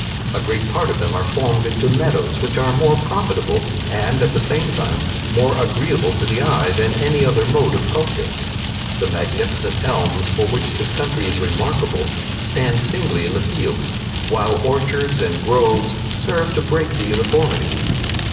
A great part of them are formed into meadows, which are more profitable, and, at the same time, more agreeable to the eye than any other mode of culture. The magnificent elms, for which this country is remarkable, stand singly in the fields; while orchards and groves serve to break the uniformity.